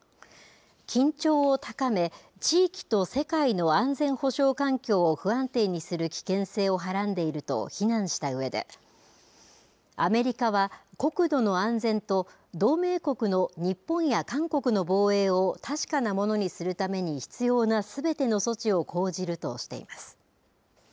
緊張を高め、地域と世界の安全保障環境を不安定にする危険性をはらんでいると非難したうえで、アメリカは国土の安全と、同盟国の日本や韓国の防衛を確かなものにするために必要なすべての措置を講じるとしています。